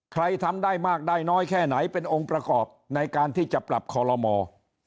ทำได้มากได้น้อยแค่ไหนเป็นองค์ประกอบในการที่จะปรับคอลโลมอร์